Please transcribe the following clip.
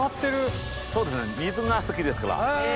そうですね水が好きですから。